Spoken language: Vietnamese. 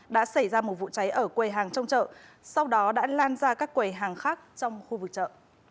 đã xảy ra một vụ cháy ở quầy hàng trong chợ sau đó đã lan ra các quầy hàng khác trong khu vực chợ